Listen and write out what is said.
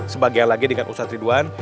sebagian lagi dengan ustadz ridwan